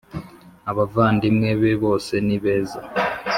Abavandimwe be bose ni beza